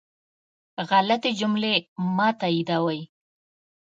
غلطي جملې مه تائیدوئ